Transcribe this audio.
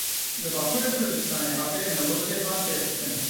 Li Bakurê Kurdistanê agirê Newrozê hat pêxistin.